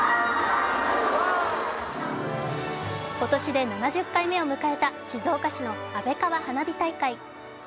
今年で７０回目を迎えた静岡市の安倍川花火大会。